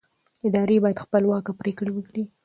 ادارې باید خپلواکه پرېکړې وکړي